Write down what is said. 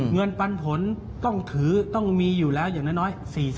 เงินปันผลต้องถือต้องมีอยู่แล้วอย่างน้อย๔๐๐